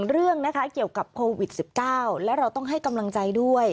เรื่องนะคะเกี่ยวกับโควิด๑๙และเราต้องให้กำลังใจด้วย